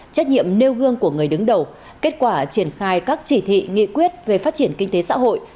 trách nhiệm nêu gương của người đứng đầu kết quả triển khai các chỉ thị nghị quyết về phát triển kinh tế xã hội